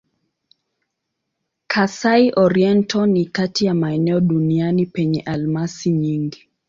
Kasai-Oriental ni kati ya maeneo duniani penye almasi nyingi.